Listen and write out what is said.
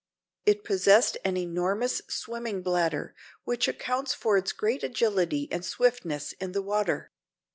It possessed an enormous swimming bladder, which accounts for its great agility and swiftness in the water.